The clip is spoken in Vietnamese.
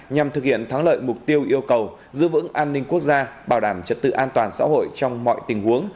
nhằm thực hiện thắng lợi mục tiêu yêu cầu giữ vững an ninh quốc gia bảo đảm trật tự an toàn xã hội trong mọi tình huống